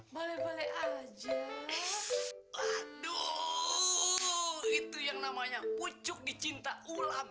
boleh boleh aja waduh itu yang namanya pucuk di cinta ulam